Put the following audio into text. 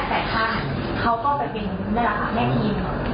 แต่ค่านั้นเขาก็แบบเป็นได้หรอกค่ะแม่ทีม